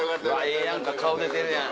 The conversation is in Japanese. ええやんか顔出てるやん。